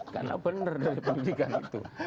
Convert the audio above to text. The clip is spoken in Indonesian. karena benar dari pendidikan itu